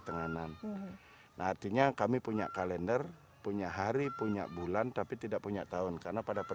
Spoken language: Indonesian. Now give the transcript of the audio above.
tenganan nah artinya kami punya kalender punya hari punya bulan tapi tidak punya tahun karena pada